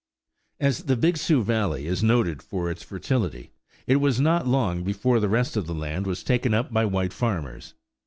As the Big Sioux valley is noted for its fertility, it was not long before the rest of the land was taken up by white farmers.